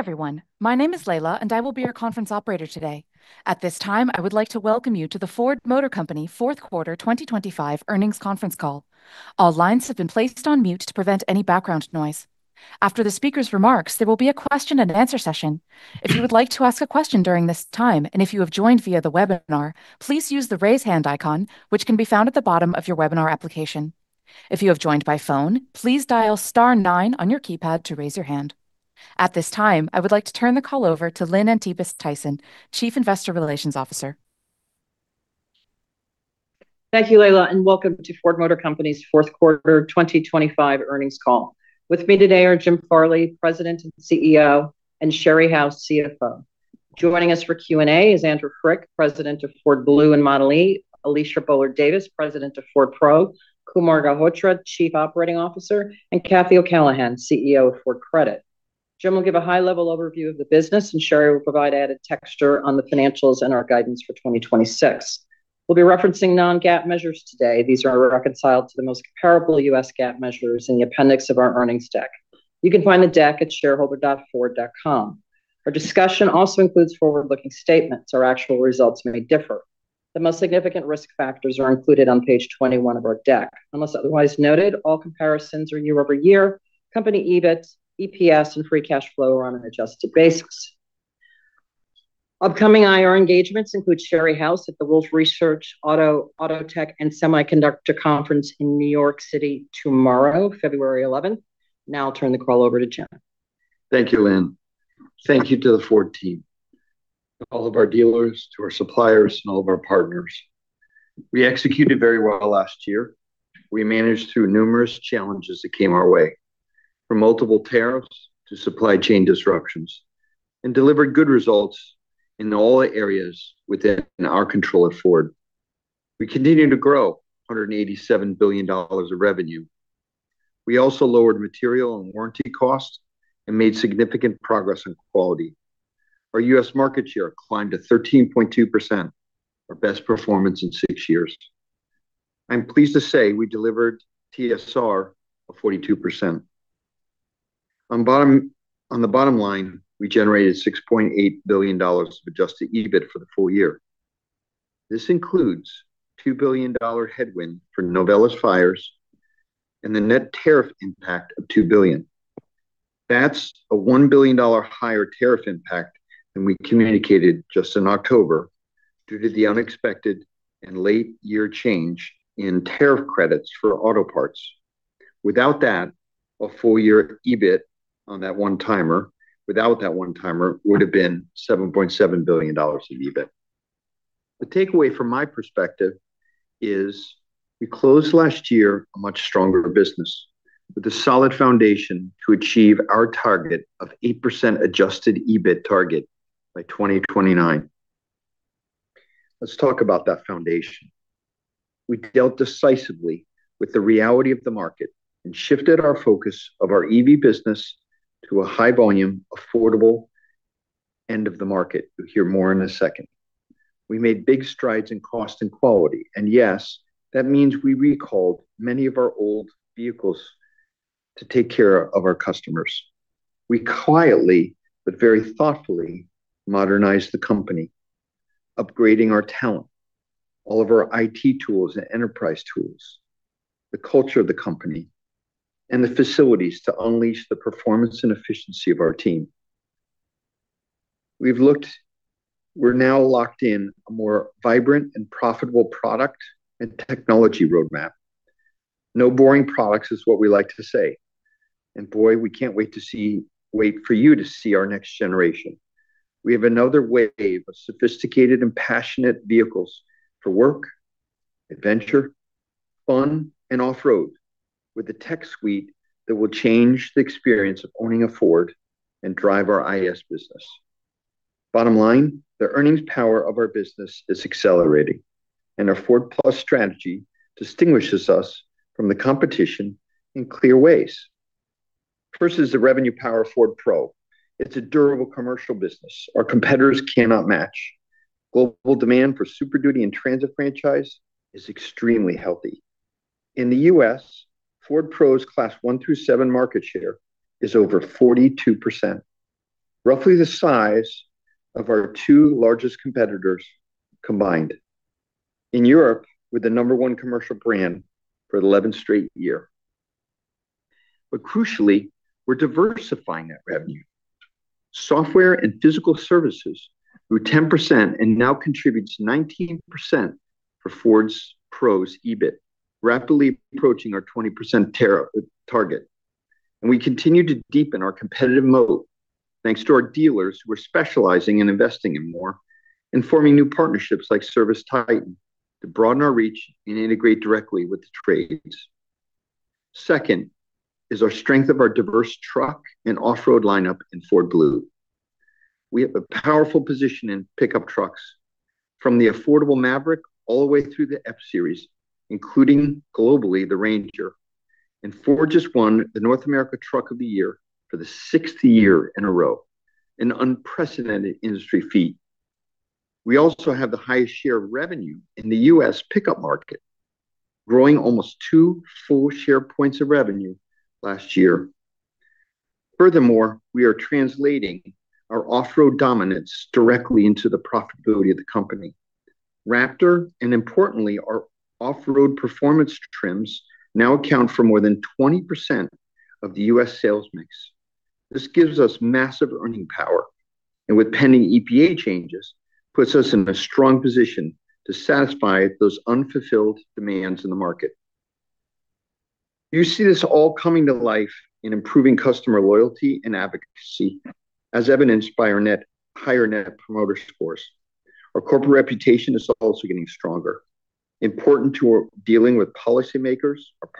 Hey everyone, my name is Leila and I will be your conference operator today. At this time I would like to welcome you to the Ford Motor Company Q4 2025 Earnings Conference Call. All lines have been placed on mute to prevent any background noise. After the speaker's remarks there will be a question and answer session. If you would like to ask a question during this time and if you have joined via the webinar, please use the raise hand icon which can be found at the bottom of your webinar application. If you have joined by phone, please dial *9 on your keypad to raise your hand. At this time I would like to turn the call over to Lynn Antipas Tyson, Chief Investor Relations Officer. Thank you Leila and welcome to Ford Motor Company's Q4 2025 Earnings Call. With me today are Jim Farley, President and CEO, and Sherry House, CFO. Joining us for Q&A is Andrew Frick, President of Ford Blue and Model E; Alicia Boler Davis, President of Ford Pro; Kumar Galhotra, Chief Operating Officer; and Cathy O'Callaghan, CEO of Ford Credit. Jim will give a high-level overview of the business and Sherry will provide added texture on the financials and our guidance for 2026. We'll be referencing non-GAAP measures today. These are reconciled to the most comparable U.S. GAAP measures in the appendix of our earnings deck. You can find the deck at shareholder.ford.com. Our discussion also includes forward-looking statements. Our actual results may differ. The most significant risk factors are included on page 21 of our deck. Unless otherwise noted, all comparisons are year-over-year. Company EBIT, EPS, and Free Cash Flow are on an adjusted basis. Upcoming IR engagements include Sherry House at the Wolfe Research Auto, Auto Tech and Semiconductor Conference in New York City tomorrow, February 11th. Now I'll turn the call over to Jim. Thank you, Lynn. Thank you to the Ford team, to all of our dealers, to our suppliers, and all of our partners. We executed very well last year. We managed through numerous challenges that came our way, from multiple tariffs to supply chain disruptions, and delivered good results in all areas within our control at Ford. We continued to grow $187 billion of revenue. We also lowered material and warranty costs and made significant progress in quality. Our U.S. market share climbed to 13.2%, our best performance in six years. I'm pleased to say we delivered TSR of 42%. On the bottom line, we generated $6.8 billion of adjusted EBIT for the full year. This includes $2 billion headwind for Novelis fires and the net tariff impact of $2 billion. That's a $1 billion higher tariff impact than we communicated just in October due to the unexpected and late-year change in tariff credits for auto parts. Without that, a full-year EBIT on that one-timer would have been $7.7 billion of EBIT. The takeaway from my perspective is we closed last year a much stronger business with a solid foundation to achieve our target of 8% adjusted EBIT by 2029. Let's talk about that foundation. We dealt decisively with the reality of the market and shifted our focus of our EV business to a high-volume, affordable end-of-the-market. You'll hear more in a second. We made big strides in cost and quality. And yes, that means we recalled many of our old vehicles to take care of our customers. We quietly but very thoughtfully modernized the company, upgrading our talent, all of our IT tools and enterprise tools, the culture of the company, and the facilities to unleash the performance and efficiency of our team. We're now locked in a more vibrant and profitable product and technology roadmap. No boring products is what we like to say. And boy, we can't wait for you to see our next generation. We have another wave of sophisticated and passionate vehicles for work, adventure, fun, and off-road with a tech suite that will change the experience of owning a Ford and drive our EV business. Bottom line, the earnings power of our business is accelerating, and our Ford Plus strategy distinguishes us from the competition in clear ways. First is the revenue power of Ford Pro. It's a durable commercial business. Our competitors cannot match. Global demand for Super Duty and Transit franchise is extremely healthy. In the U.S., Ford Pro's Class 1 through 7 market share is over 42%, roughly the size of our two largest competitors combined. In Europe, with the number one commercial brand for 11 straight years. But crucially, we're diversifying that revenue. Software and physical services grew 10% and now contribute 19% of Ford Pro's EBIT, rapidly approaching our 20% target. And we continue to deepen our competitive moat thanks to our dealers who are specializing in investing in more and forming new partnerships like ServiceTitan to broaden our reach and integrate directly with the trades. Second is the strength of our diverse truck and off-road lineup in Ford Blue. We have a powerful position in pickup trucks from the affordable Maverick all the way through the F-Series, including globally the Ranger. Ford just won the North America Truck of the Year for the sixth year in a row, an unprecedented industry feat. We also have the highest share of revenue in the U.S. pickup market, growing almost 2 full share points of revenue last year. Furthermore, we are translating our off-road dominance directly into the profitability of the company. Raptor, and importantly, our off-road performance trims now account for more than 20% of the U.S. sales mix. This gives us massive earning power and, with pending EPA changes, puts us in a strong position to satisfy those unfulfilled demands in the market. You see this all coming to life in improving customer loyalty and advocacy, as evidenced by our net higher Net Promoter Scores. Our corporate reputation is also getting stronger, important to dealing with policymakers, our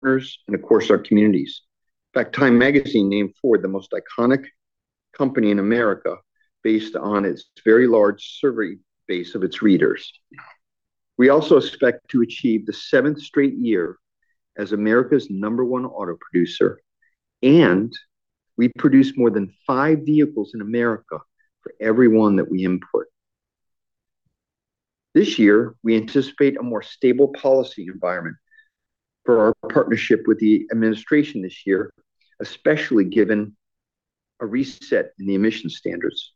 partners, and, of course, our communities. In fact, TIME magazine named Ford the most iconic company in America based on its very large survey base of its readers. We also expect to achieve the 7th straight year as America's No. 1 auto producer, and we produce more than 5 vehicles in America for every 1 that we import. This year, we anticipate a more stable policy environment for our partnership with the administration this year, especially given a reset in the emissions standards.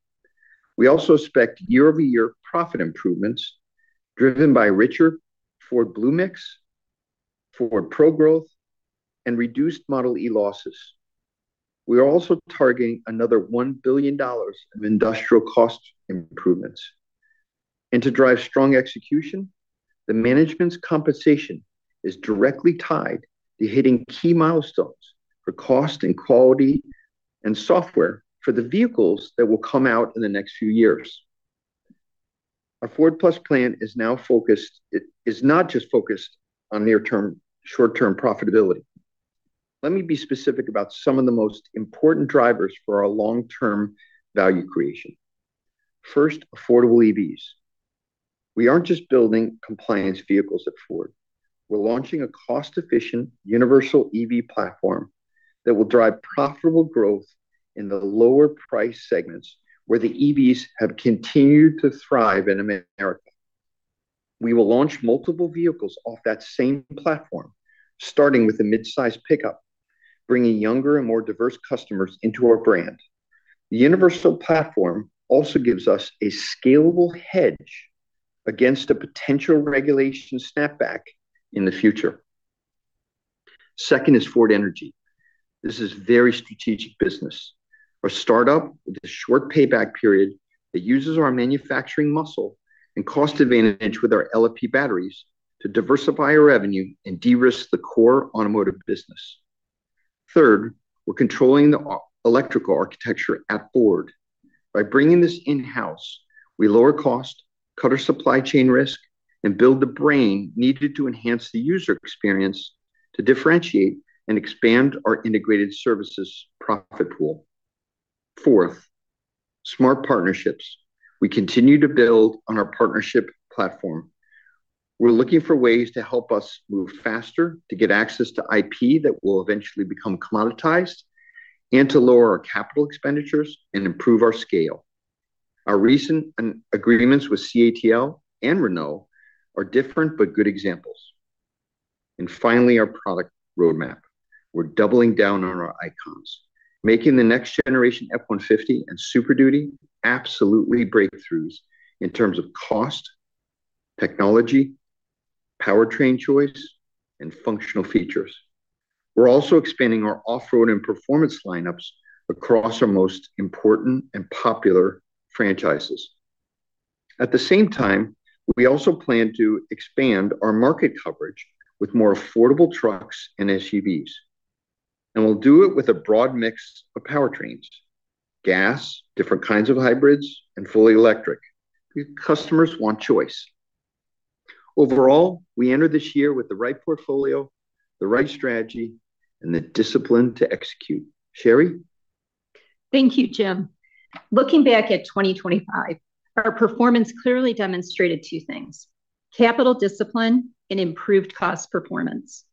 We also expect year-over-year profit improvements driven by richer Ford Blue mix, Ford Pro growth, and reduced Model E losses. We are also targeting another $1 billion of industrial cost improvements. To drive strong execution, the management's compensation is directly tied to hitting key milestones for cost and quality and software for the vehicles that will come out in the next few years. Our Ford Plus plan is now focused. It is not just focused on near-term, short-term profitability. Let me be specific about some of the most important drivers for our long-term value creation. First, affordable EVs. We aren't just building compliance vehicles at Ford. We're launching a cost-efficient Universal EV Platform that will drive profitable growth in the lower price segments where the EVs have continued to thrive in America. We will launch multiple vehicles off that same platform, starting with a midsize pickup, bringing younger and more diverse customers into our brand. The Universal Platform also gives us a scalable hedge against a potential regulation snapback in the future. Second is Ford Energy. This is very strategic business, a startup with a short payback period that uses our manufacturing muscle and cost advantage with our LFP batteries to diversify our revenue and de-risk the core automotive business. Third, we're controlling the electrical architecture at Ford. By bringing this in-house, we lower cost, cut our supply chain risk, and build the brain needed to enhance the user experience to differentiate and expand our integrated services profit pool. Fourth, smart partnerships. We continue to build on our partnership platform. We're looking for ways to help us move faster to get access to IP that will eventually become commoditized and to lower our capital expenditures and improve our scale. Our recent agreements with CATL and Renault are different but good examples. And finally, our product roadmap. We're doubling down on our icons, making the next generation F-150 and Super Duty absolutely breakthroughs in terms of cost, technology, powertrain choice, and functional features. We're also expanding our off-road and performance lineups across our most important and popular franchises. At the same time, we also plan to expand our market coverage with more affordable trucks and SUVs. And we'll do it with a broad mix of powertrains: gas, different kinds of hybrids, and fully electric. Customers want choice. Overall, we enter this year with the right portfolio, the right strategy, and the discipline to execute. Sherry? Thank you, Jim. Looking back at 2025, our performance clearly demonstrated two things: capital discipline and improved cost performance.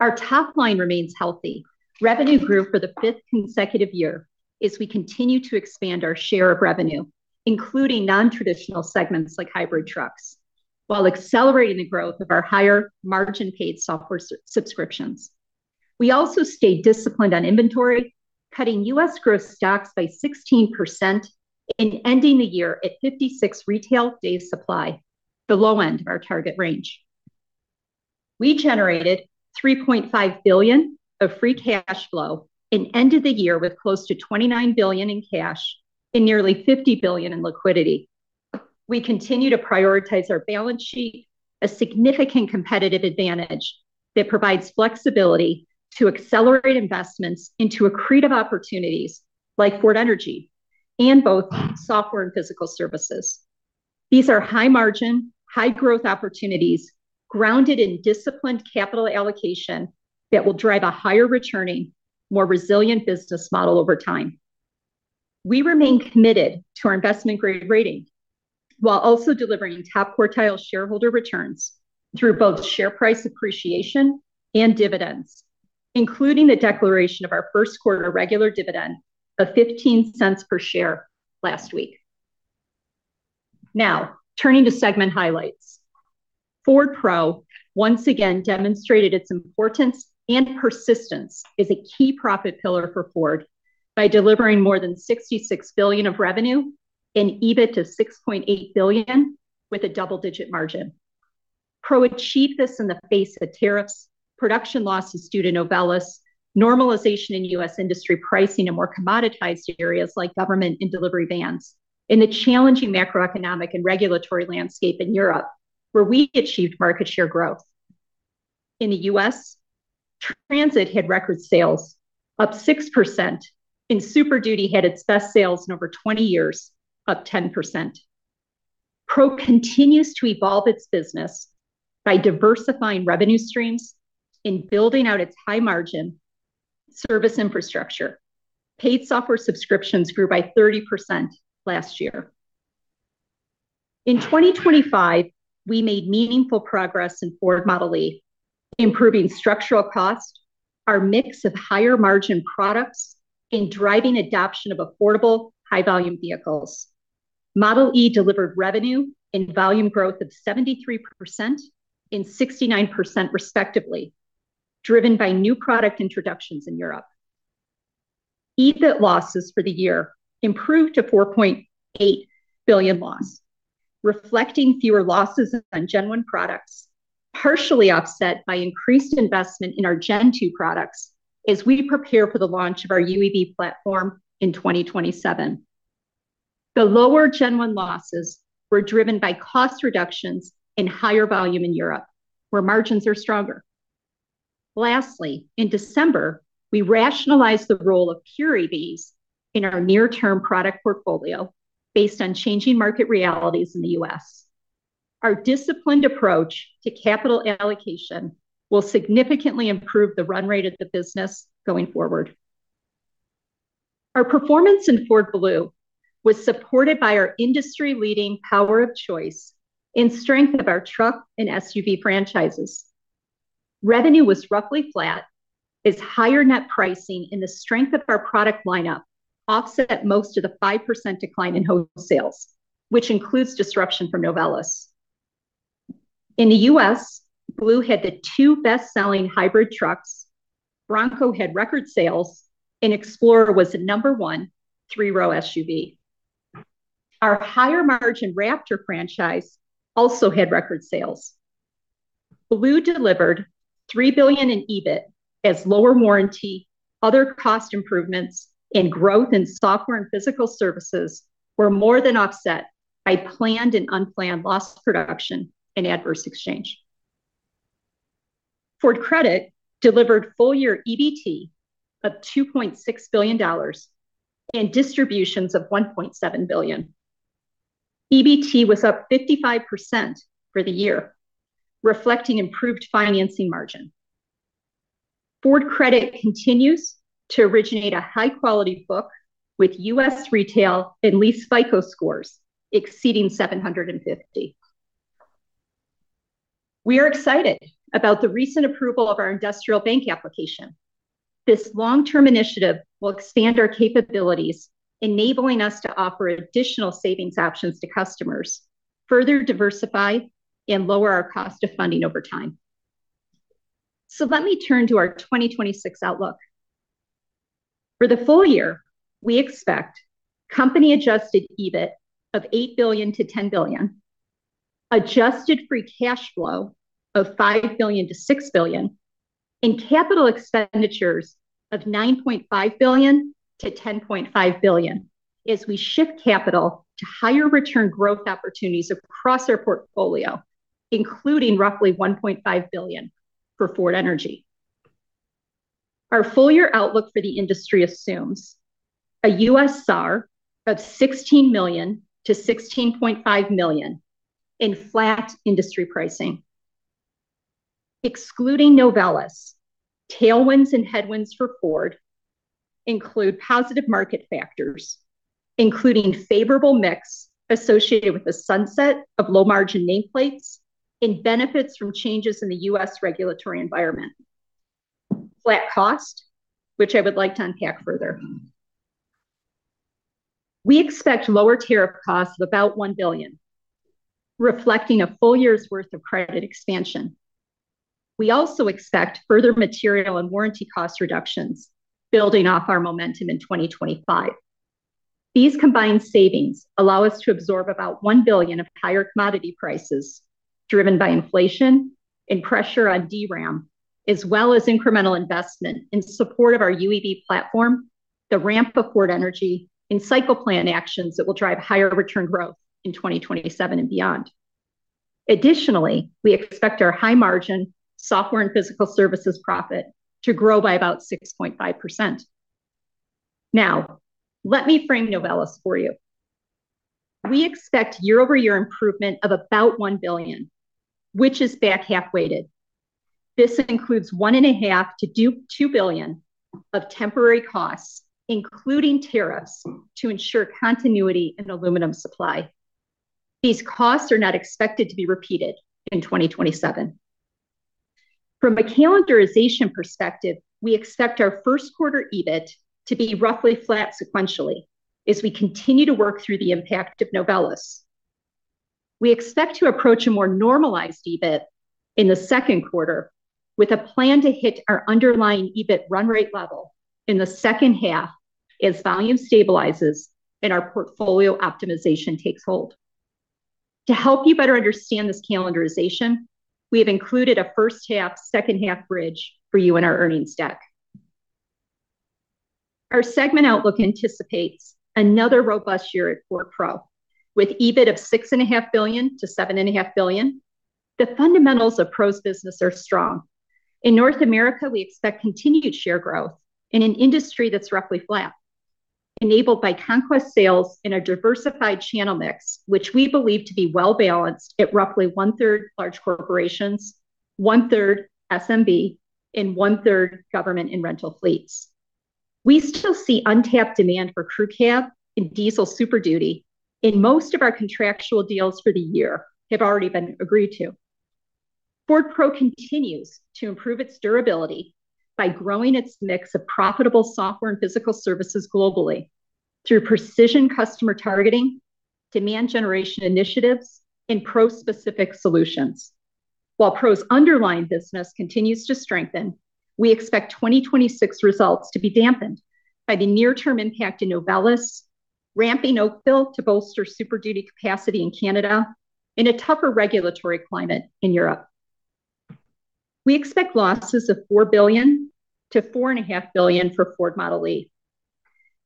Our top line remains healthy. Revenue grew for the fifth consecutive year as we continue to expand our share of revenue, including non-traditional segments like hybrid trucks, while accelerating the growth of our higher margin-paid software subscriptions. We also stayed disciplined on inventory, cutting U.S. gross stocks by 16% and ending the year at 56 retail days supply, the low end of our target range. We generated $3.5 billion of free cash flow and ended the year with close to $29 billion in cash and nearly $50 billion in liquidity. We continue to prioritize our balance sheet, a significant competitive advantage that provides flexibility to accelerate investments into accretive opportunities like Ford Energy and both software and physical services. These are high-margin, high-growth opportunities grounded in disciplined capital allocation that will drive a higher-returning, more resilient business model over time. We remain committed to our investment-grade rating while also delivering top-quartile shareholder returns through both share price appreciation and dividends, including the declaration of our Q1 regular dividend of $0.15 per share last week. Now, turning to segment highlights. Ford Pro once again demonstrated its importance and persistence as a key profit pillar for Ford by delivering more than $66 billion of revenue and EBIT to $6.8 billion with a double-digit margin. Pro achieved this in the face of tariffs, production losses due to Novelis, normalization in U.S. industry pricing in more commoditized areas like government and delivery vans, and the challenging macroeconomic and regulatory landscape in Europe, where we achieved market share growth. In the U.S., Transit had record sales, up 6%, and Super Duty had its best sales in over 20 years, up 10%. Pro continues to evolve its business by diversifying revenue streams and building out its high-margin service infrastructure. Paid software subscriptions grew by 30% last year. In 2025, we made meaningful progress in Ford Model E, improving structural cost, our mix of higher-margin products, and driving adoption of affordable, high-volume vehicles. Model E delivered revenue and volume growth of 73% and 69% respectively, driven by new product introductions in Europe. EBIT losses for the year improved to $4.8 billion loss, reflecting fewer losses on Gen 1 products, partially offset by increased investment in our Gen 2 products as we prepare for the launch of our universal EV platform in 2027. The lower Gen 1 losses were driven by cost reductions and higher volume in Europe, where margins are stronger. Lastly, in December, we rationalized the role of pure EVs in our near-term product portfolio based on changing market realities in the U.S. Our disciplined approach to capital allocation will significantly improve the run rate of the business going forward. Our performance in Ford Blue was supported by our industry-leading power of choice and strength of our truck and SUV franchises. Revenue was roughly flat as higher net pricing and the strength of our product lineup offset most of the 5% decline in wholesales, which includes disruption from Novelis. In the U.S., Blue had the two best-selling hybrid trucks. Bronco had record sales, and Explorer was the number one three-row SUV. Our higher-margin Raptor franchise also had record sales. Blue delivered $3 billion in EBIT as lower warranty, other cost improvements, and growth in software and physical services were more than offset by planned and unplanned loss production and adverse exchange. Ford Credit delivered full-year EBT of $2.6 billion and distributions of $1.7 billion. EBT was up 55% for the year, reflecting improved financing margin. Ford Credit continues to originate a high-quality book with U.S. retail and lease FICO scores exceeding 750. We are excited about the recent approval of our industrial bank application. This long-term initiative will expand our capabilities, enabling us to offer additional savings options to customers, further diversify, and lower our cost of funding over time. Let me turn to our 2026 outlook. For the full year, we expect company-adjusted EBIT of $8 billion-$10 billion, adjusted free cash flow of $5 billion-$6 billion, and capital expenditures of $9.5 billion-$10.5 billion as we shift capital to higher-return growth opportunities across our portfolio, including roughly $1.5 billion for Ford Energy. Our full-year outlook for the industry assumes a U.S. SAAR of $16-$16.5 million in flat industry pricing. Excluding Novelis, tailwinds and headwinds for Ford include positive market factors, including favorable mix associated with the sunset of low-margin nameplates and benefits from changes in the U.S. regulatory environment, flat cost, which I would like to unpack further. We expect lower tariff costs of about $1 billion, reflecting a full year's worth of credit expansion. We also expect further material and warranty cost reductions building off our momentum in 2025. These combined savings allow us to absorb about $1 billion of higher commodity prices driven by inflation and pressure on DRAM, as well as incremental investment in support of our Universal EV Platform, the ramp of Ford Energy, and cycle plan actions that will drive higher-return growth in 2027 and beyond. Additionally, we expect our high-margin software and physical services profit to grow by about 6.5%. Now, let me frame Novelis for you. We expect year-over-year improvement of about $1 billion, which is back half-weighted. This includes $1.5 billion-$2 billion of temporary costs, including tariffs, to ensure continuity in aluminum supply. These costs are not expected to be repeated in 2027. From a calendarization perspective, we expect our Q1 EBIT to be roughly flat sequentially as we continue to work through the impact of Novelis. We expect to approach a more normalized EBIT in the Q2 with a plan to hit our underlying EBIT run rate level in the second half as volume stabilizes and our portfolio optimization takes hold. To help you better understand this calendarization, we have included a first-half-second-half bridge for you in our earnings deck. Our segment outlook anticipates another robust year at Ford Pro with EBIT of $6.5 billion-$7.5 billion. The fundamentals of Pro's business are strong. In North America, we expect continued share growth in an industry that's roughly flat, enabled by conquest sales and a diversified channel mix, which we believe to be well-balanced at roughly one-third large corporations, one-third SMB, and one-third government and rental fleets. We still see untapped demand for crew cab and diesel Super Duty, and most of our contractual deals for the year have already been agreed to. Ford Pro continues to improve its durability by growing its mix of profitable software and physical services globally through precision customer targeting, demand generation initiatives, and Pro-specific solutions. While Pro's underlying business continues to strengthen, we expect 2026 results to be dampened by the near-term impact in Novelis, ramping Oakville to bolster Super Duty capacity in Canada and a tougher regulatory climate in Europe. We expect losses of $4 billion-$4.5 billion for Ford Model E.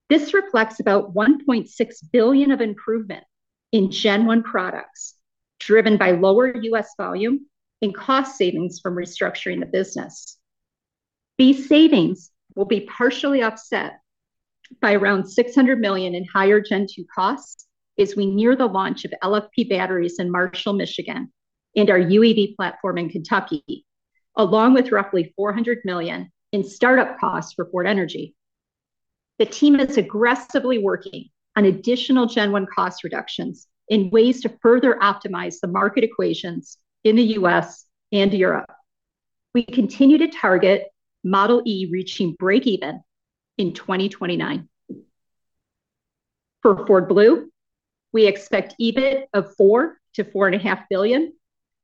This reflects about $1.6 billion of improvement in Gen 1 products driven by lower U.S. volume and cost savings from restructuring the business. These savings will be partially offset by around $600 million in higher Gen 2 costs as we near the launch of LFP batteries in Marshall, Michigan, and our Universal EV Platform in Kentucky, along with roughly $400 million in startup costs for Ford Energy. The team is aggressively working on additional Gen 1 cost reductions and ways to further optimize the market equations in the U.S. and Europe. We continue to target Model E reaching break-even in 2029. For Ford Blue, we expect EBIT of $4 billion-$4.5 billion,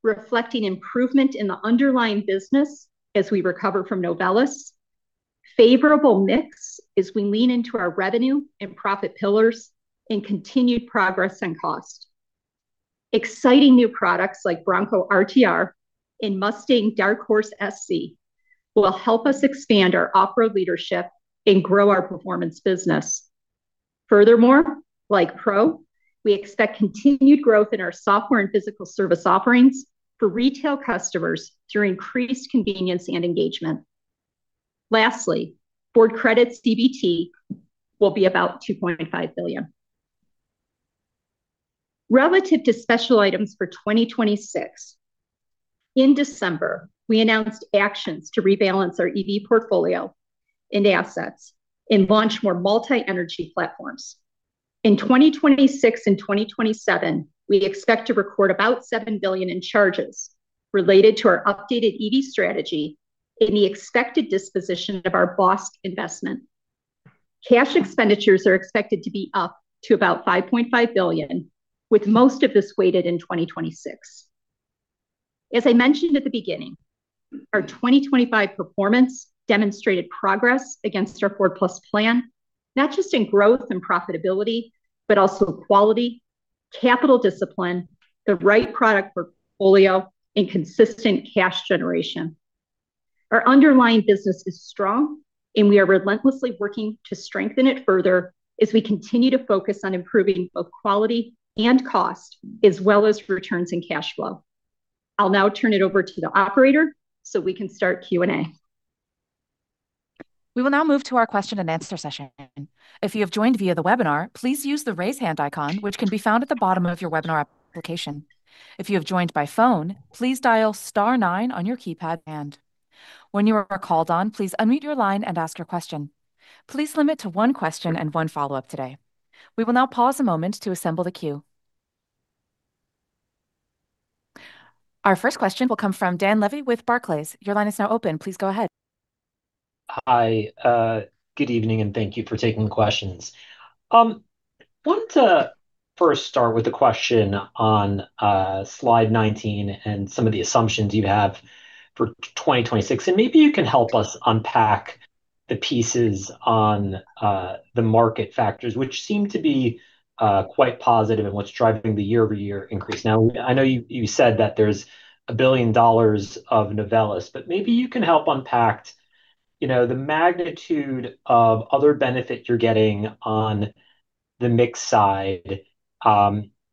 reflecting improvement in the underlying business as we recover from Novelis, favorable mix as we lean into our revenue and profit pillars and continued progress on cost. Exciting new products like Bronco RTR and Mustang Dark Horse SC will help us expand our off-road leadership and grow our performance business. Furthermore, like Pro, we expect continued growth in our software and physical service offerings for retail customers through increased convenience and engagement. Lastly, Ford Credit's EBT will be about $2.5 billion. Relative to special items for 2026, in December, we announced actions to rebalance our EV portfolio and assets and launch more multi-energy platforms. In 2026 and 2027, we expect to record about $7 billion in charges related to our updated EV strategy and the expected disposition of our BOSK investment. Cash expenditures are expected to be up to about $5.5 billion, with most of this weighted in 2026. As I mentioned at the beginning, our 2025 performance demonstrated progress against our Ford Plus plan, not just in growth and profitability, but also quality, capital discipline, the right product portfolio, and consistent cash generation. Our underlying business is strong, and we are relentlessly working to strengthen it further as we continue to focus on improving both quality and cost, as well as returns and cash flow. I'll now turn it over to the operator so we can start Q&A. We will now move to our question-and-answer session. If you have joined via the webinar, please use the raise hand icon, which can be found at the bottom of your webinar application. If you have joined by phone, please dial *9 on your keypad and. When you are called on, please unmute your line and ask your question. Please limit to one question and one follow-up today. We will now pause a moment to assemble the queue. Our first question will come from Dan Levy with Barclays. Your line is now open. Please go ahead. Hi. Good evening, and thank you for taking the questions. I want to first start with a question on slide 19 and some of the assumptions you have for 2026, and maybe you can help us unpack the pieces on the market factors, which seem to be quite positive in what's driving the year-over-year increase. Now, I know you said that there's $1 billion of Novelis, but maybe you can help unpack the magnitude of other benefit you're getting on the mix side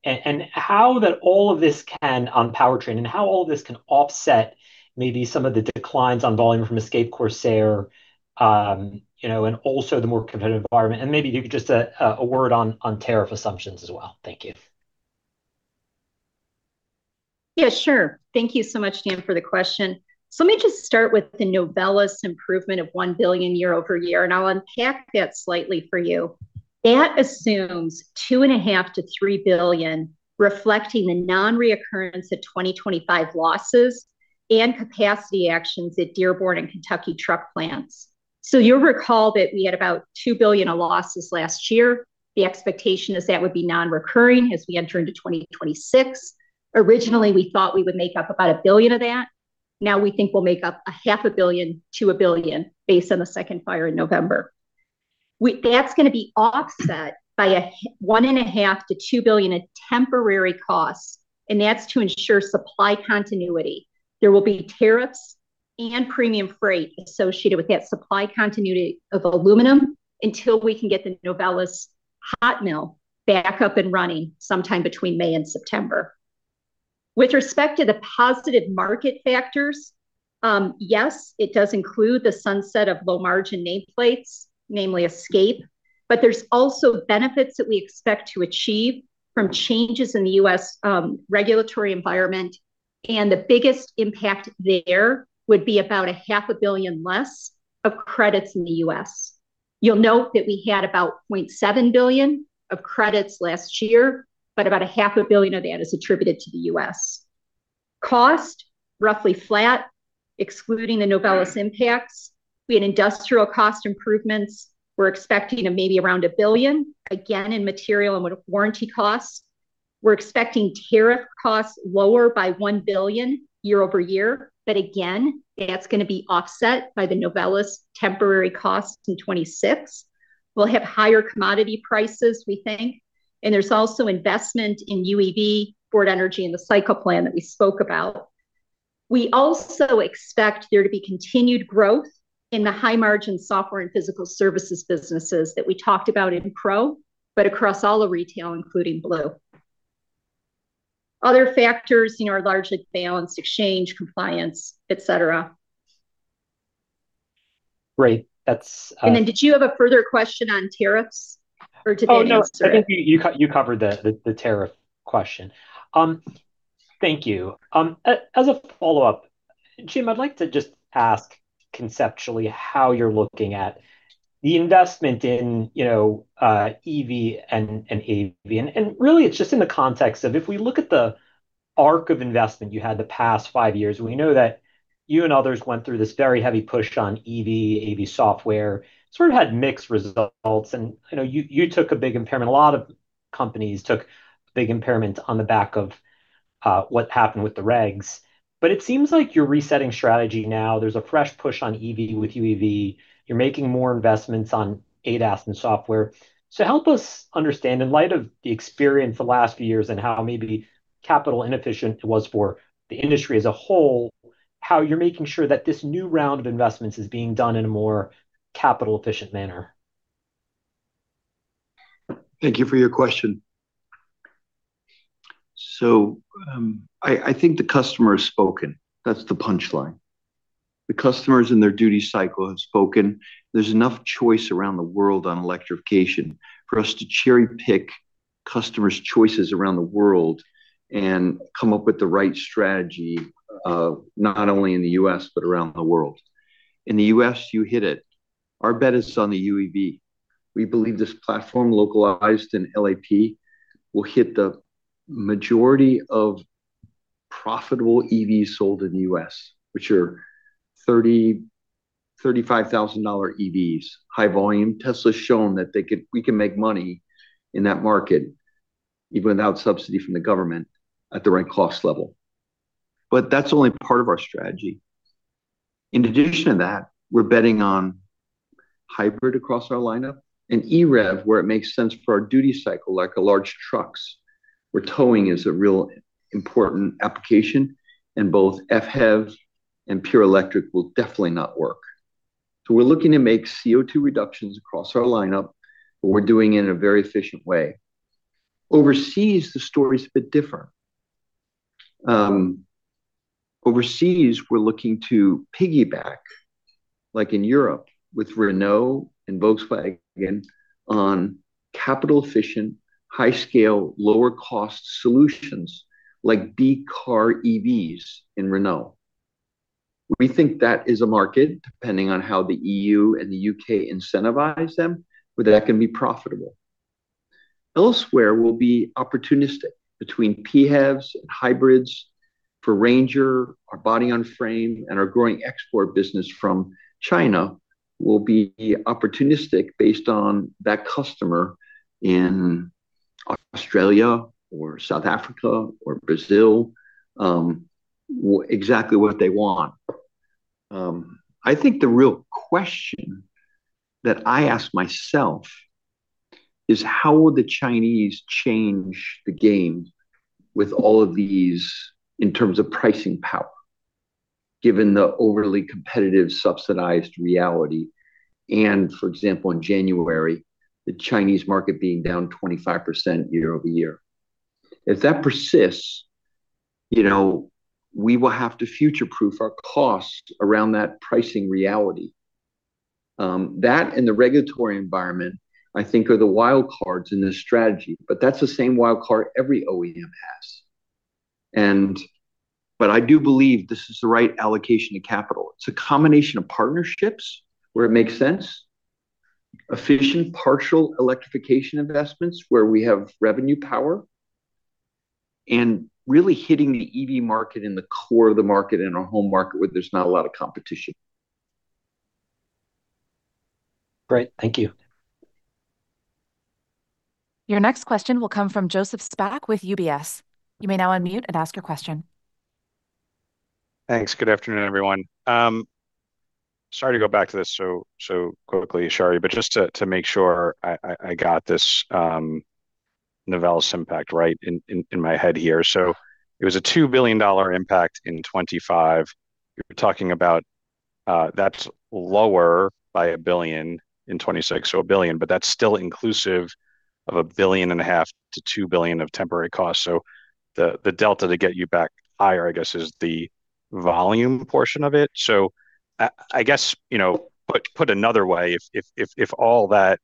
and how that all of this can on Powertrain and how all of this can offset maybe some of the declines on volume from Escape, Corsair and also the more competitive environment. And maybe if you could just a word on tariff assumptions as well. Thank you. Yeah, sure. Thank you so much, Dan, for the question. So let me just start with the Novelis improvement of $1 billion year-over-year, and I'll unpack that slightly for you. That assumes $2.5 billion-$3 billion, reflecting the non-reoccurrence of 2025 losses and capacity actions at Dearborn and Kentucky truck plants. So you'll recall that we had about $2 billion of losses last year. The expectation is that would be non-recurring as we enter into 2026. Originally, we thought we would make up about $1 billion of that. Now we think we'll make up $0.5 billion-$1 billion, based on the second fire in November. That's going to be offset by a $1.5 billion-$2 billion of temporary costs, and that's to ensure supply continuity. There will be tariffs and premium freight associated with that supply continuity of aluminum until we can get the Novelis hot mill back up and running sometime between May and September. With respect to the positive market factors, yes, it does include the sunset of low-margin nameplates, namely Escape, but there's also benefits that we expect to achieve from changes in the U.S. regulatory environment, and the biggest impact there would be about $0.5 billion less of credits in the U.S. You'll note that we had about $0.7 billion of credits last year, but about $0.5 billion of that is attributed to the U.S. costs, roughly flat, excluding the Novelis impacts. We had industrial cost improvements. We're expecting maybe around $1 billion, again, in material and warranty costs. We're expecting tariff costs lower by $1 billion year over year, but again, that's going to be offset by the Novelis temporary costs in 2026. We'll have higher commodity prices, we think, and there's also investment in Universal EV Platform, Ford Energy, and the cycle plan that we spoke about. We also expect there to be continued growth in the high-margin software and physical services businesses that we talked about in Pro, but across all of retail, including Blue. Other factors are largely balanced, exchange, compliance, etc. Great. That's. And then did you have a further question on tariffs, or did that answer? Oh, no. I think you covered the tariff question. Thank you. As a follow-up, Jim, I'd like to just ask conceptually how you're looking at the investment in EV and AV. And really, it's just in the context of if we look at the arc of investment you had the past five years, we know that you and others went through this very heavy push on EV, AV software, sort of had mixed results, and you took a big impairment. A lot of companies took a big impairment on the back of what happened with the regs. But it seems like you're resetting strategy now. There's a fresh push on EV with Universal EV Platform. You're making more investments on ADAS and software. So help us understand, in light of the experience the last few years and how maybe capital inefficient it was for the industry as a whole, how you're making sure that this new round of investments is being done in a more capital-efficient manner? Thank you for your question. So I think the customer has spoken. That's the punchline. The customers in their duty cycle have spoken. There's enough choice around the world on electrification for us to cherry-pick customers' choices around the world and come up with the right strategy not only in the U.S. but around the world. In the U.S., you hit it. Our bet is on the Universal EV Platform. We believe this platform, localized in LAP, will hit the majority of profitable EVs sold in the U.S., which are $35,000 EVs, high volume. Tesla has shown that we can make money in that market even without subsidy from the government at the right cost level. But that's only part of our strategy. In addition to that, we're betting on hybrid across our lineup and EREV where it makes sense for our duty cycle, like large trucks where towing is a real important application, and both FHEV and pure electric will definitely not work. So we're looking to make CO2 reductions across our lineup, but we're doing it in a very efficient way. Overseas, the story's a bit different. Overseas, we're looking to piggyback, like in Europe with Renault and Volkswagen, on capital-efficient, high-scale, lower-cost solutions like B-car EVs in Renault. We think that is a market, depending on how the EU and the UK incentivize them, where that can be profitable. Elsewhere, we'll be opportunistic. Between PHEVs and hybrids, for Ranger, our body-on-frame and our growing export business from China will be opportunistic based on that customer in Australia or South Africa or Brazil, exactly what they want. I think the real question that I ask myself is, how will the Chinese change the game with all of these in terms of pricing power, given the overly competitive subsidized reality and, for example, in January, the Chinese market being down 25% year-over-year? If that persists, we will have to future-proof our costs around that pricing reality. That and the regulatory environment, I think, are the wildcards in this strategy, but that's the same wildcard every OEM has. But I do believe this is the right allocation of capital. It's a combination of partnerships where it makes sense, efficient partial electrification investments where we have revenue power, and really hitting the EV market in the core of the market in our home market where there's not a lot of competition. Great. Thank you. Your next question will come from Joseph Spack with UBS. You may now unmute and ask your question. Thanks. Good afternoon, everyone. Sorry to go back to this so quickly, Sherry, but just to make sure I got this Novelis impact right in my head here. So it was a $2 billion impact in 2025. You were talking about that's lower by a billion in 2026, so a billion, but that's still inclusive of $1.5 billion-$2 billion of temporary costs. So the delta to get you back higher, I guess, is the volume portion of it. So I guess put another way, if all that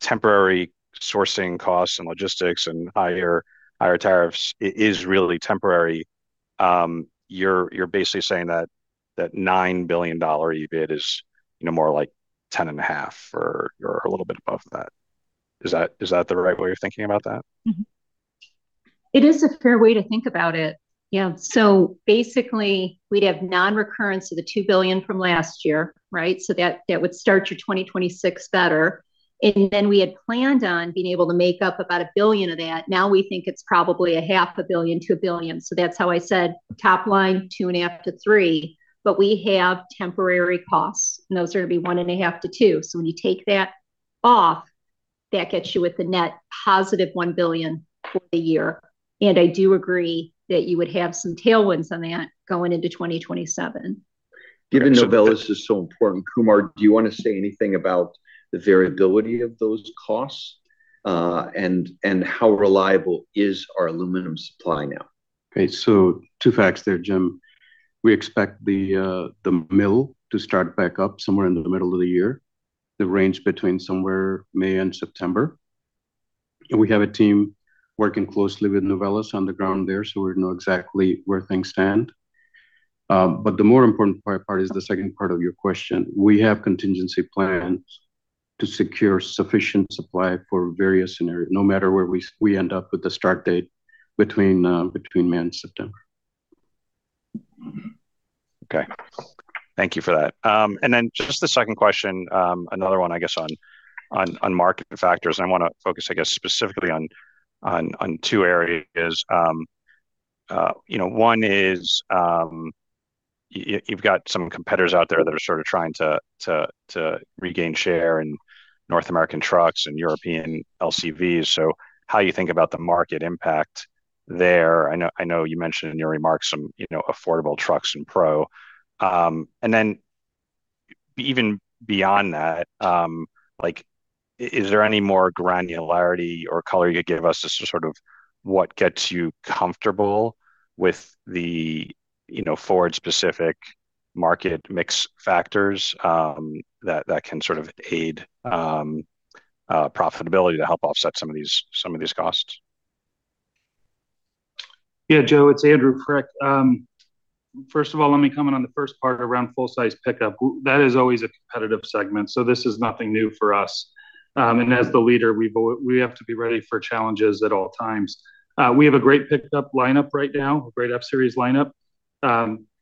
temporary sourcing costs and logistics and higher tariffs is really temporary, you're basically saying that $9 billion EV bid is more like $10.5 billion or a little bit above that. Is that the right way of thinking about that? It is a fair way to think about it. Yeah. So basically, we'd have non-recurrence of the $2 billion from last year, right? So that would start your 2026 better. And then we had planned on being able to make up about $1 billion of that. Now we think it's probably $0.5 billion-$2 billion. So that's how I said top line, $2.5-$3 billion, but we have temporary costs, and those are going to be $1.5-$2 billion. So when you take that off, that gets you with the net positive $1 billion for the year. And I do agree that you would have some tailwinds on that going into 2027. Given Novelis is so important, Kumar, do you want to say anything about the variability of those costs and how reliable is our aluminum supply now? Great. So two facts there, Jim. We expect the mill to start back up somewhere in the middle of the year, the range between somewhere May and September. And we have a team working closely with Novelis on the ground there, so we know exactly where things stand. But the more important part is the second part of your question. We have contingency plans to secure sufficient supply for various scenarios, no matter where we end up with the start date between May and September. Okay. Thank you for that. And then just the second question, another one, I guess, on market factors. I want to focus, I guess, specifically on two areas. One is you've got some competitors out there that are sort of trying to regain share in North American trucks and European LCVs. So how do you think about the market impact there? I know you mentioned in your remarks some affordable trucks and Pro. And then even beyond that, is there any more granularity or color you could give us as to sort of what gets you comfortable with the Ford-specific market mix factors that can sort of aid profitability to help offset some of these costs? Yeah, Joe, it's Andrew Frick. First of all, let me comment on the first part around full-size pickup. That is always a competitive segment, so this is nothing new for us. As the leader, we have to be ready for challenges at all times. We have a great pickup lineup right now, a great F-Series lineup.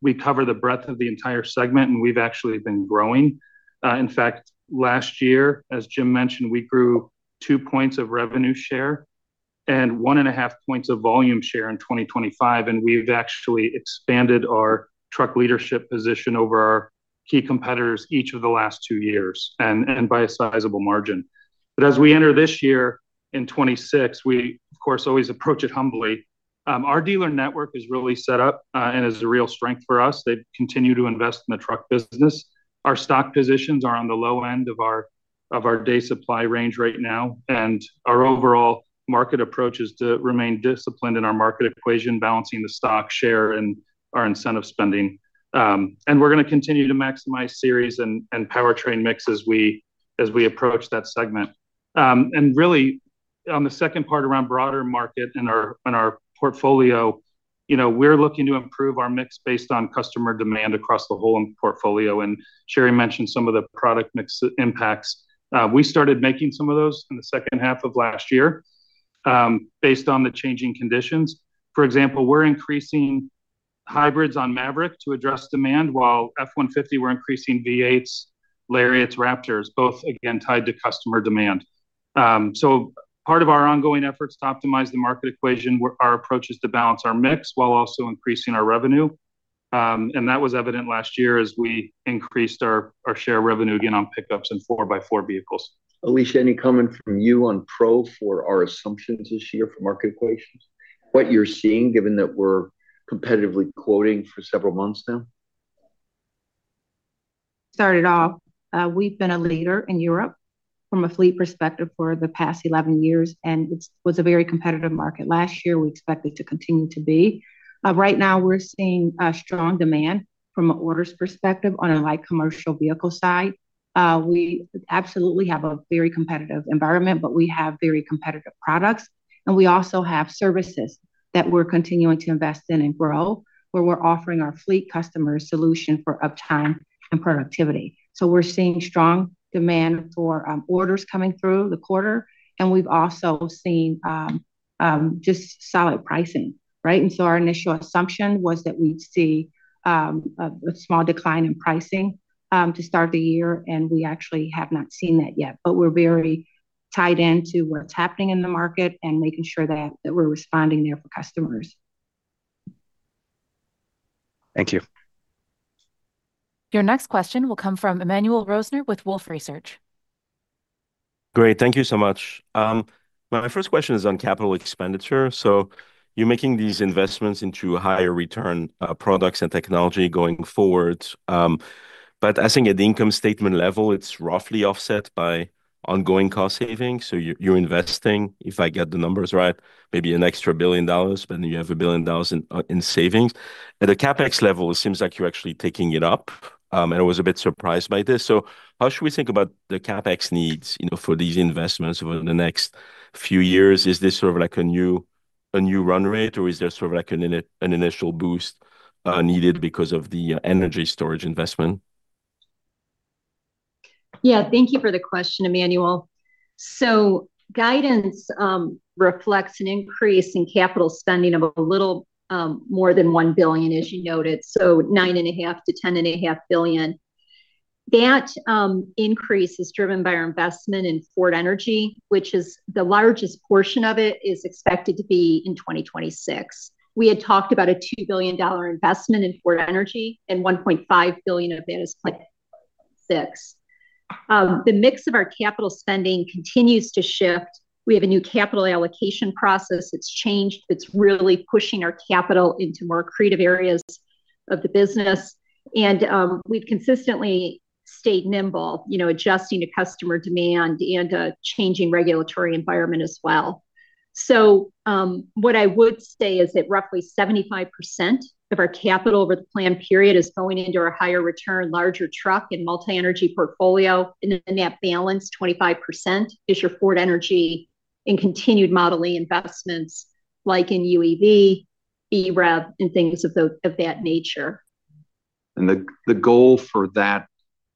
We cover the breadth of the entire segment, and we've actually been growing. In fact, last year, as Jim mentioned, we grew 2 points of revenue share and 1.5 points of volume share in 2025. We've actually expanded our truck leadership position over our key competitors each of the last 2 years and by a sizable margin. But as we enter this year in 2026, we, of course, always approach it humbly. Our dealer network is really set up and is a real strength for us. They continue to invest in the truck business. Our stock positions are on the low end of our day supply range right now. Our overall market approach is to remain disciplined in our market equation, balancing the market share and our incentive spending. We're going to continue to maximize series and powertrain mix as we approach that segment. Really, on the second part around broader market in our portfolio, we're looking to improve our mix based on customer demand across the whole portfolio. Sherry mentioned some of the product mix impacts. We started making some of those in the second half of last year based on the changing conditions. For example, we're increasing hybrids on Maverick to address demand while F-150, we're increasing V8s, Lariats, Raptors, both, again, tied to customer demand. Part of our ongoing efforts to optimize the market equation, our approach is to balance our mix while also increasing our revenue. That was evident last year as we increased our share revenue again on pickups and four-by-four vehicles. Alicia, any comment from you on Pro for our assumptions this year for market conditions, what you're seeing given that we're competitively quoting for several months now? We've been a leader in Europe from a fleet perspective for the past 11 years, and it was a very competitive market. Last year, we expected to continue to be. Right now, we're seeing strong demand from an orders perspective on a light commercial vehicle side. We absolutely have a very competitive environment, but we have very competitive products. And we also have services that we're continuing to invest in and grow where we're offering our fleet customers solution for uptime and productivity. So we're seeing strong demand for orders coming through the quarter, and we've also seen just solid pricing, right? And so our initial assumption was that we'd see a small decline in pricing to start the year, and we actually have not seen that yet. But we're very tied into what's happening in the market and making sure that we're responding there for customers. Thank you. Your next question will come from Emmanuel Rosner with Wolfe Research. Great. Thank you so much. My first question is on capital expenditure. So you're making these investments into higher-return products and technology going forward. But I think at the income statement level, it's roughly offset by ongoing cost savings. So you're investing, if I get the numbers right, maybe an extra $1 billion, but then you have $1 billion in savings. At the CapEx level, it seems like you're actually taking it up. And I was a bit surprised by this. So how should we think about the CapEx needs for these investments over the next few years? Is this sort of like a new run rate, or is there sort of like an initial boost needed because of the energy storage investment? Yeah. Thank you for the question, Emmanuel. So guidance reflects an increase in capital spending of a little more than $1 billion, as you noted, so $9.5 billion-$10.5 billion. That increase is driven by our investment in Ford Energy, which is the largest portion of it is expected to be in 2026. We had talked about a $2 billion investment in Ford Energy, and $1.5 billion of that is planned in 2026. The mix of our capital spending continues to shift. We have a new capital allocation process. It's changed. It's really pushing our capital into more creative areas of the business. We've consistently stayed nimble, adjusting to customer demand and a changing regulatory environment as well. So what I would say is that roughly 75% of our capital over the planned period is going into our higher-return, larger truck and multi-energy portfolio. And then that balance, 25%, is your Ford Energy and continued Model E investments like in UEV, EREV, and things of that nature. And the goal for that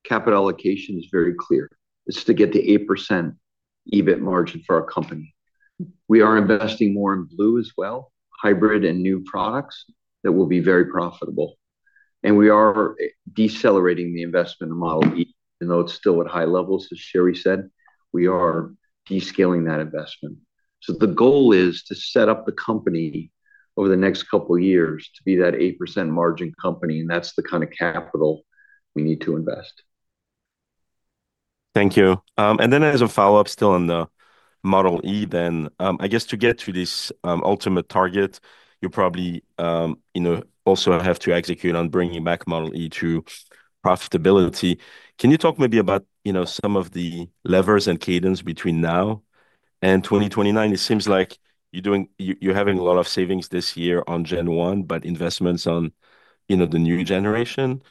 capital allocation is very clear. It's to get to 8% EBIT margin for our company. We are investing more in Blue as well, hybrid and new products that will be very profitable. And we are decelerating the investment in Model E, even though it's still at high levels, as Sherry said. We are downscaling that investment. So the goal is to set up the company over the next couple of years to be that 8% margin company, and that's the kind of capital we need to invest. Thank you. And then as a follow-up, still on the Model E then, I guess to get to this ultimate target, you probably also have to execute on bringing back Model E to profitability. Can you talk maybe about some of the levers and cadence between now and 2029? It seems like you're having a lot of savings this year on Gen One, but investments on the new generation.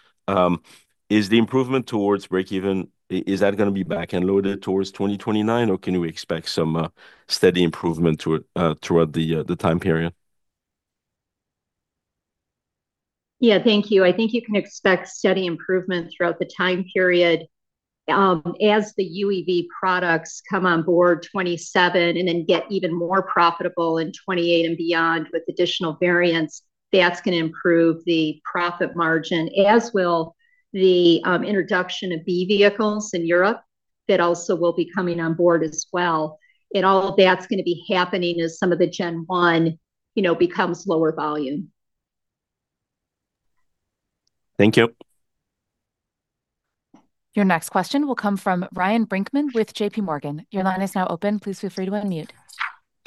Is the improvement towards breakeven, is that going to be back-loaded towards 2029, or can we expect some steady improvement throughout the time period? Yeah. Thank you. I think you can expect steady improvement throughout the time period. As the our EV products come on board 2027 and then get even more profitable in 2028 and beyond with additional variants, that's going to improve the profit margin, as will the introduction of B vehicles in Europe that also will be coming on board as well. And all of that's going to be happening as some of the Gen 1 becomes lower volume. Thank you. Your next question will come from Ryan Brinkman with J.P. Morgan. Your line is now open. Please feel free to unmute.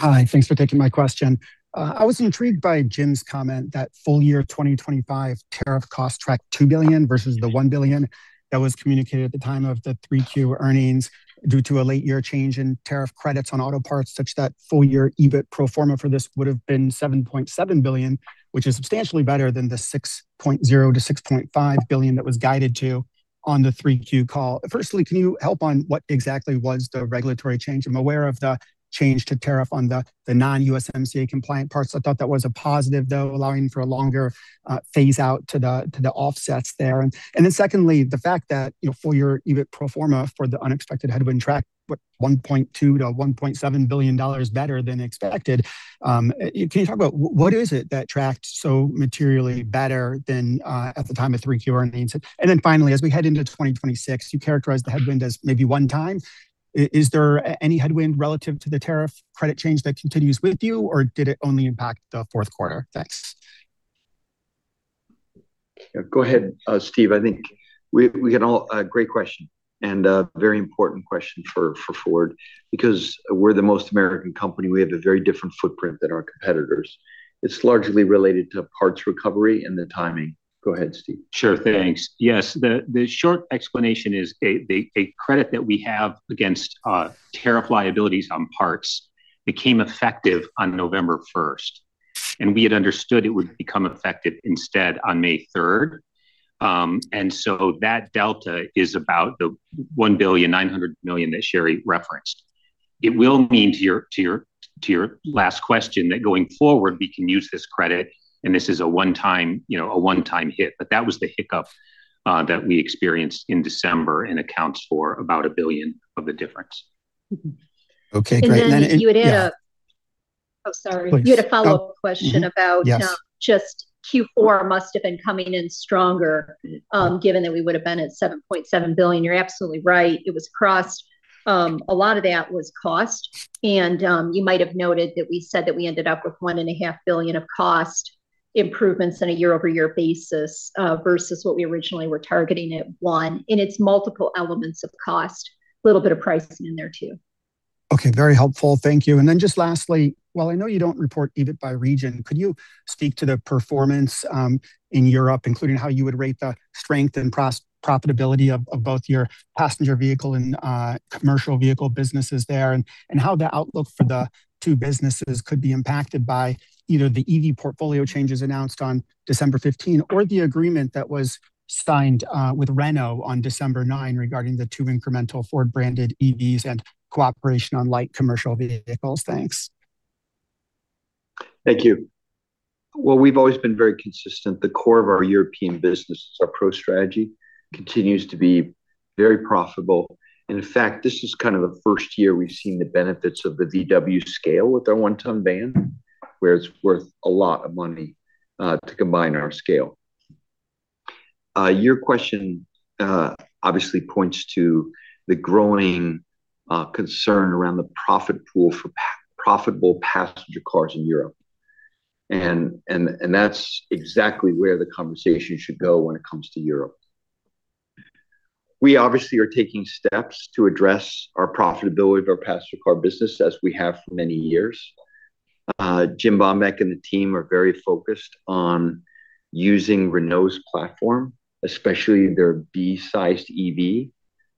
Hi. Thanks for taking my question. I was intrigued by Jim's comment that full year 2025 tariff costs tracked $2 billion versus the $1 billion that was communicated at the time of the 3Q earnings due to a late year change in tariff credits on auto parts, such that full year EBIT pro forma for this would have been $7.7 billion, which is substantially better than the $6.0-$6.5 billion that was guided to on the 3Q call. Firstly, can you help on what exactly was the regulatory change? I'm aware of the change to tariff on the non-USMCA compliant parts. I thought that was a positive, though, allowing for a longer phase out to the offsets there. And then secondly, the fact that full year EBIT pro forma for the unexpected headwind tracked $1.2-$1.7 billion better than expected. Can you talk about what is it that tracked so materially better than at the time of 3Q earnings? And then finally, as we head into 2026, you characterize the headwind as maybe one time. Is there any headwind relative to the tariff credit change that continues with you, or did it only impact the Q4? Thanks. Yeah. Go ahead, Steve. I think it's a great question and very important question for Ford because we're the most American company. We have a very different footprint than our competitors. It's largely related to parts recovery and the timing. Go ahead, Steve. Sure. Thanks. Yes. The short explanation is a credit that we have against tariff liabilities on parts became effective on November 1st. And we had understood it would become effective instead on May 3rd. And so that delta is about the $1.9 billion that Sherry referenced. It will mean to your last question that going forward, we can use this credit, and this is a one-time hit. But that was the hiccup that we experienced in December and accounts for about $1 billion of the difference. Okay. Great. And then you had added, Oh, sorry. You had a follow-up question about just Q4 must have been coming in stronger given that we would have been at $7.7 billion. You're absolutely right. It was crossed. A lot of that was cost. And you might have noted that we said that we ended up with $1.5 billion of cost improvements on a year-over-year basis versus what we originally were targeting at $1 billion. And it's multiple elements of cost, a little bit of pricing in there too. Okay. Very helpful. Thank you. And then just lastly, while I know you don't report EBIT by region, could you speak to the performance in Europe, including how you would rate the strength and profitability of both your passenger vehicle and commercial vehicle businesses there and how the outlook for the two businesses could be impacted by either the EV portfolio changes announced on December 15 or the agreement that was signed with Renault on December 9 regarding the two incremental Ford-branded EVs and cooperation on light commercial vehicles? Thanks. Thank you. Well, we've always been very consistent. The core of our European business, our Pro strategy, continues to be very profitable. And in fact, this is kind of the first year we've seen the benefits of the VW scale with our one-ton van, where it's worth a lot of money to combine our scale. Your question obviously points to the growing concern around the profit pool for profitable passenger cars in Europe. That's exactly where the conversation should go when it comes to Europe. We obviously are taking steps to address our profitability of our passenger car business as we have for many years. Jim Baumbick and the team are very focused on using Renault's platform, especially their B-sized EV,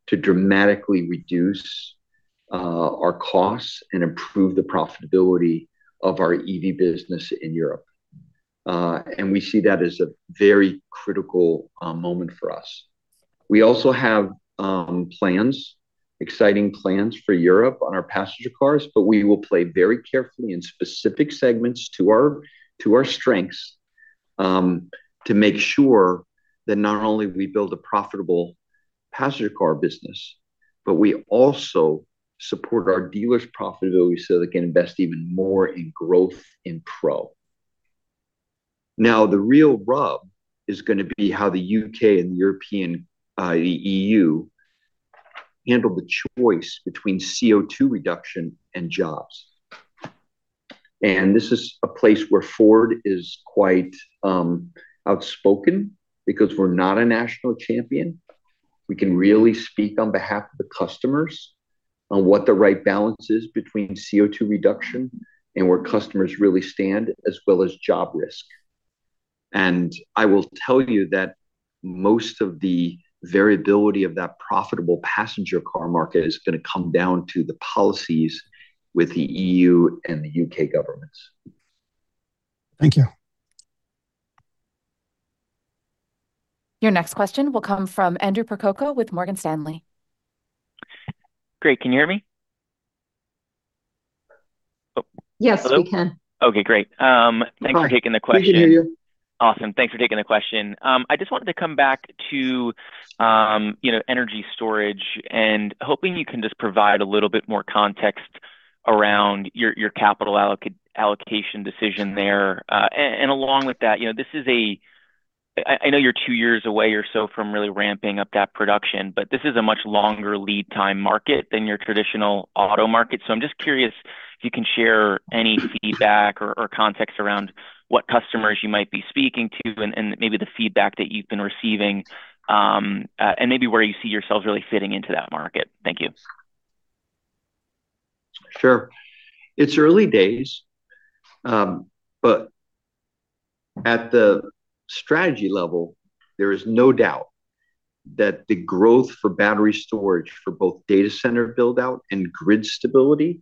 to dramatically reduce our costs and improve the profitability of our EV business in Europe. We see that as a very critical moment for us. We also have plans, exciting plans for Europe on our passenger cars, but we will play very carefully in specific segments to our strengths to make sure that not only we build a profitable passenger car business, but we also support our dealers' profitability so they can invest even more in growth in Pro. Now, the real rub is going to be how the U.K. and the European Union, the E.U., handle the choice between CO2 reduction and jobs. And this is a place where Ford is quite outspoken because we're not a national champion. We can really speak on behalf of the customers on what the right balance is between CO2 reduction and where customers really stand as well as job risk. And I will tell you that most of the variability of that profitable passenger car market is going to come down to the policies with the E.U. and the U.K. governments. Thank you. Your next question will come from Andrew Percoco with Morgan Stanley. Great. Can you hear me? Yes, we can. Hello. Okay. Great. Thanks for taking the question. I can hear you. Awesome. Thanks for taking the question. I just wanted to come back to energy storage, hoping you can just provide a little bit more context around your capital allocation decision there. Along with that, this is. I know you're two years away or so from really ramping up that production, but this is a much longer lead-time market than your traditional auto market. So I'm just curious if you can share any feedback or context around what customers you might be speaking to and maybe the feedback that you've been receiving and maybe where you see yourselves really fitting into that market. Thank you. Sure. It's early days. But at the strategy level, there is no doubt that the growth for battery storage for both data center buildout and grid stability,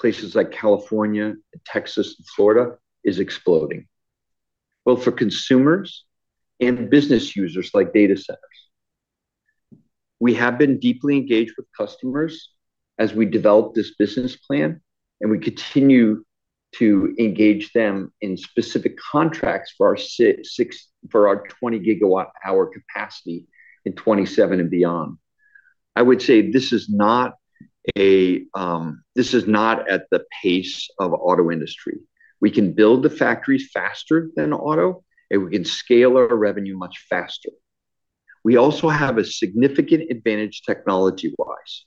places like California, Texas, and Florida, is exploding, both for consumers and business users like data centers. We have been deeply engaged with customers as we developed this business plan, and we continue to engage them in specific contracts for our 20-gigawatt-hour capacity in 2027 and beyond. I would say this is not at the pace of auto industry. We can build the factories faster than auto, and we can scale our revenue much faster. We also have a significant advantage technology-wise.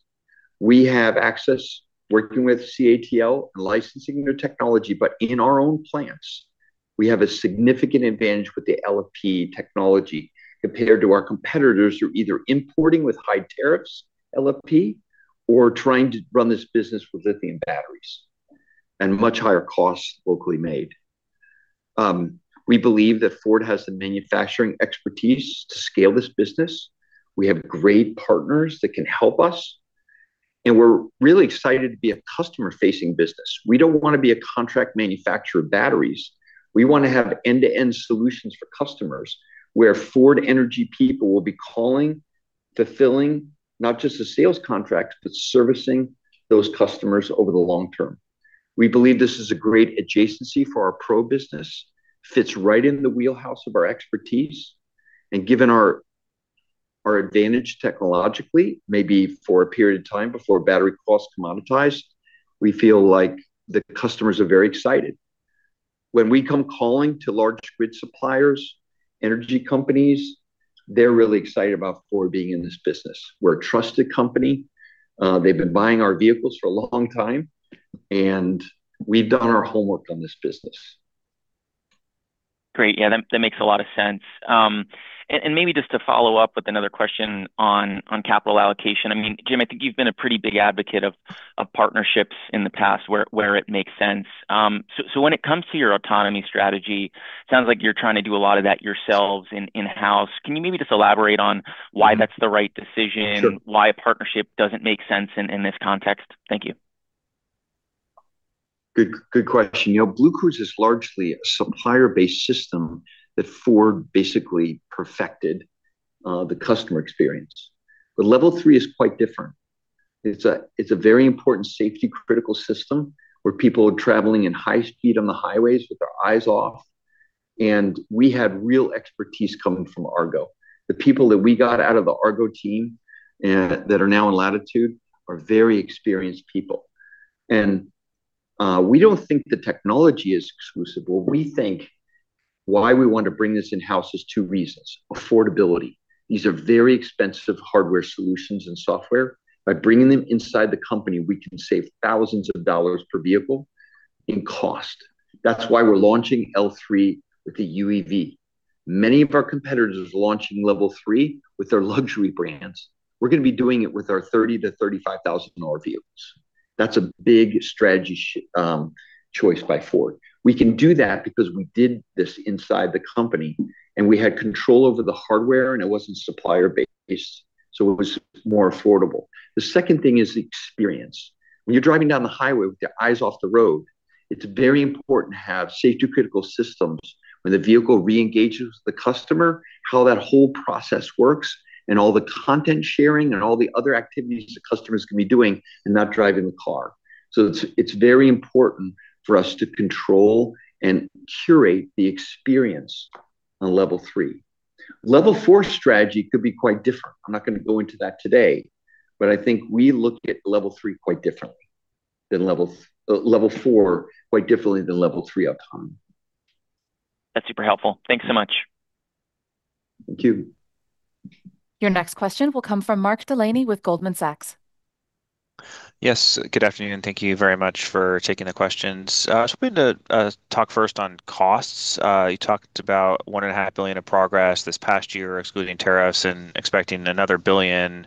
We have access working with CATL and licensing their technology, but in our own plants, we have a significant advantage with the LFP technology compared to our competitors who are either importing with high tariffs LFP or trying to run this business with lithium batteries and much higher costs locally made. We believe that Ford has the manufacturing expertise to scale this business. We have great partners that can help us. We're really excited to be a customer-facing business. We don't want to be a contract manufacturer of batteries. We want to have end-to-end solutions for customers where Ford Energy people will be calling, fulfilling, not just the sales contracts, but servicing those customers over the long term. We believe this is a great adjacency for our Pro business, fits right in the wheelhouse of our expertise. And given our advantage technologically, maybe for a period of time before battery costs commoditized, we feel like the customers are very excited. When we come calling to large grid suppliers, energy companies, they're really excited about Ford being in this business. We're a trusted company. They've been buying our vehicles for a long time, and we've done our homework on this business. Great. Yeah. That makes a lot of sense. And maybe just to follow up with another question on capital allocation, I mean, Jim, I think you've been a pretty big advocate of partnerships in the past where it makes sense. So when it comes to your autonomy strategy, it sounds like you're trying to do a lot of that yourselves in-house. Can you maybe just elaborate on why that's the right decision, why a partnership doesn't make sense in this context? Thank you. Good question. BlueCruise is largely a supplier-based system that Ford basically perfected the customer experience. But Level 3 is quite different. It's a very important safety-critical system where people are traveling at high speed on the highways with their eyes off. And we had real expertise coming from Argo. The people that we got out of the Argo team that are now in Latitude are very experienced people. We don't think the technology is exclusive. What we think, why we want to bring this in-house is two reasons: affordability. These are very expensive hardware solutions and software. By bringing them inside the company, we can save thousands of dollars per vehicle in cost. That's why we're launching L3 with the UEP. Many of our competitors are launching Level 3 with their luxury brands. We're going to be doing it with our $30,000-$35,000 vehicles. That's a big strategy choice by Ford. We can do that because we did this inside the company, and we had control over the hardware, and it wasn't supplier-based, so it was more affordable. The second thing is the experience. When you're driving down the highway with your eyes off the road, it's very important to have safety-critical systems when the vehicle reengages with the customer, how that whole process works, and all the content sharing and all the other activities the customer is going to be doing and not driving the car. So it's very important for us to control and curate the experience on Level 3. Level 4 strategy could be quite different. I'm not going to go into that today, but I think we look at Level 3 quite differently than Level 4 quite differently than Level 3 upon. That's super helpful. Thanks so much. Thank you. Your next question will come from Mark Delaney with Goldman Sachs. Yes. Good afternoon. Thank you very much for taking the questions. I was hoping to talk first on costs. You talked about $1.5 billion of progress this past year, excluding tariffs, and expecting another $1 billion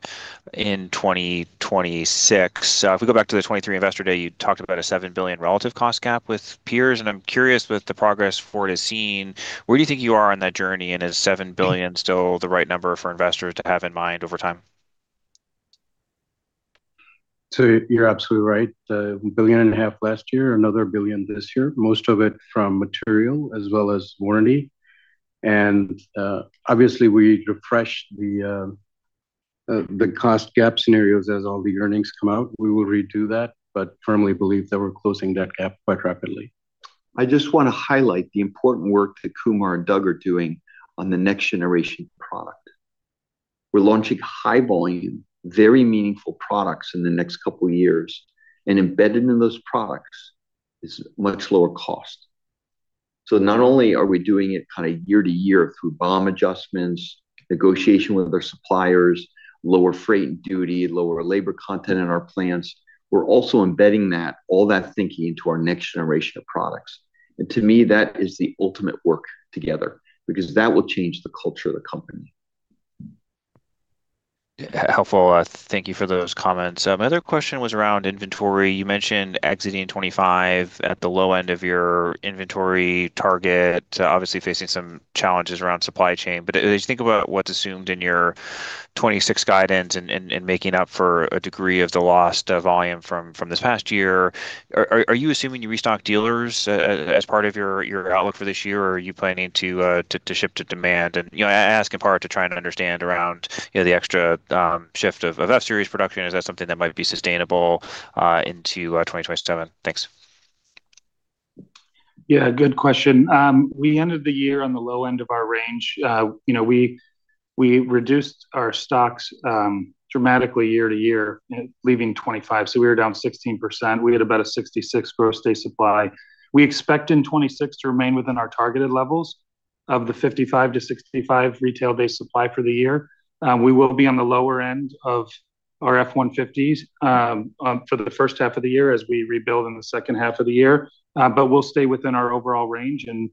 in 2026. If we go back to the 2023 Investor Day, you talked about a $7 billion relative cost gap with peers. I'm curious, with the progress Ford has seen, where do you think you are on that journey? And is $7 billion still the right number for investors to have in mind over time? So you're absolutely right. $1.5 billion last year, another $1 billion this year, most of it from material as well as warranty. Obviously, we refresh the cost gap scenarios as all the earnings come out. We will redo that but firmly believe that we're closing that gap quite rapidly. I just want to highlight the important work that Kumar and Doug are doing on the next generation product. We're launching high-volume, very meaningful products in the next couple of years. And embedded in those products is much lower cost. So not only are we doing it kind of year-to-year through BOM adjustments, negotiation with our suppliers, lower freight and duty, lower labor content in our plants, we're also embedding all that thinking into our next generation of products. And to me, that is the ultimate work together because that will change the culture of the company. Helpful. Thank you for those comments. My other question was around inventory. You mentioned exiting 2025 at the low end of your inventory target, obviously facing some challenges around supply chain. But as you think about what's assumed in your 2026 guidance and making up for a degree of the lost volume from this past year, are you assuming you restock dealers as part of your outlook for this year, or are you planning to shift to demand? And I ask in part to try and understand around the extra shift of F-Series production. Is that something that might be sustainable into 2027? Thanks. Yeah. Good question. We ended the year on the low end of our range. We reduced our stocks dramatically year to year, leaving 2025. So we were down 16%. We had about a 66 gross day supply. We expect in 2026 to remain within our targeted levels of the 55-65 retail-based supply for the year. We will be on the lower end of our F-150s for the first half of the year as we rebuild in the second half of the year, but we'll stay within our overall range. And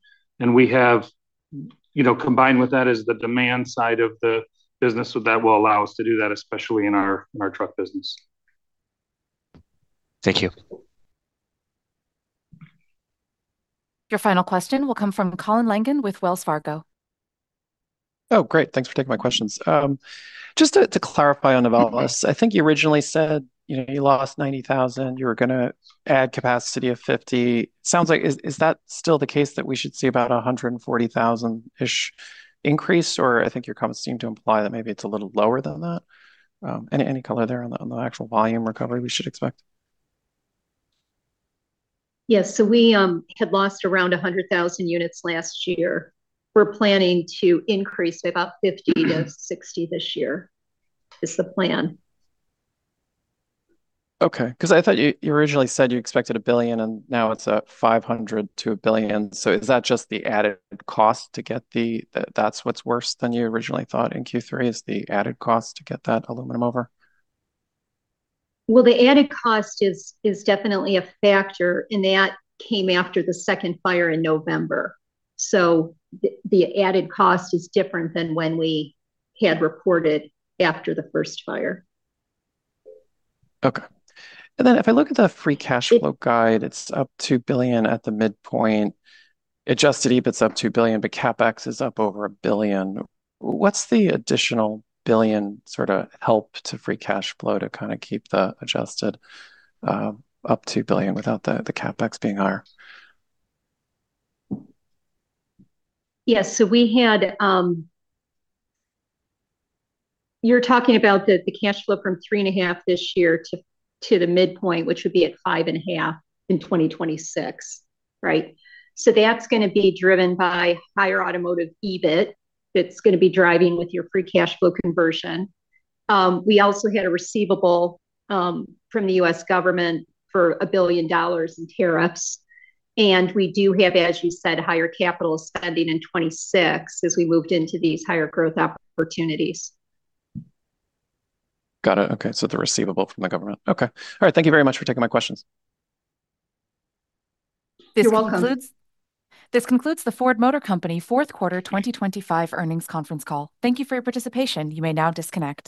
combined with that is the demand side of the business, so that will allow us to do that, especially in our truck business. Thank you. Your final question will come from Colin Langan with Wells Fargo. Oh, great. Thanks for taking my questions. Just to clarify on developments, I think you originally said you lost 90,000. You were going to add capacity of 50. Is that still the case that we should see about a 140,000-ish increase? Or I think your comments seem to imply that maybe it's a little lower than that. Any color there on the actual volume recovery we should expect? Yes. So we had lost around 100,000 units last year. We're planning to increase by about 50-60 this year. Is the plan. Okay. Because I thought you originally said you expected $1 billion, and now it's $500 million-$1 billion. So is that just the added cost to get the that's what's worse than you originally thought in Q3 is the added cost to get that aluminum over? Well, the added cost is definitely a factor, and that came after the second fire in November. So the added cost is different than when we had reported after the first fire. Okay. And then if I look at the free cash flow guide, it's up $2 billion at the midpoint. Adjusted EBIT is up $2 billion, but CapEx is up over $1 billion. What's the additional $1 billion sort of help to free cash flow to kind of keep the adjusted up $2 billion without the CapEx being higher? Yes. So you're talking about the cash flow from 3.5 this year to the midpoint, which would be at 5.5 in 2026, right? So that's going to be driven by higher automotive EBIT that's going to be driving with your free cash flow conversion. We also had a receivable from the U.S. government for $1 billion in tariffs. And we do have, as you said, higher capital spending in 2026 as we moved into these higher growth opportunities. Got it. Okay. So the receivable from the government. Okay. All right. Thank you very much for taking my questions. This concludes the Ford Motor Company Q4 2025 Earnings Conference Call. Thank you for your participation. You may now disconnect.